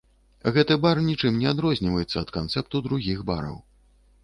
Гэты бар нічым не адрозніваецца ад канцэпту другіх бараў.